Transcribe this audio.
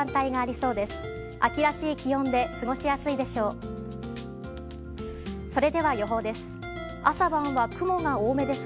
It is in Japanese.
それでは予報です。